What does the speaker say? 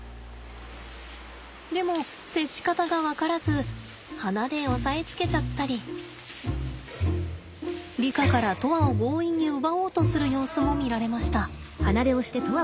でも接し方が分からず鼻で押さえつけちゃったりリカから砥愛を強引に奪おうとする様子も見られました。